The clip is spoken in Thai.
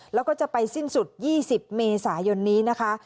แล้วก็จะไปสิ้นสุด๒๐เมษายนนี้นะคะ